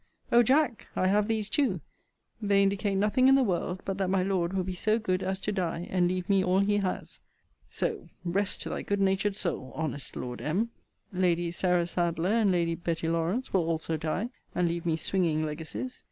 O Jack! I have these too: They indicate nothing in the world but that my Lord will be so good as to die, and leave me all he has. So, rest to thy good natured soul, honest Lord M. Lady Sarah Sadleir and Lady Betty Lawrance, will also die, and leave me swinging legacies.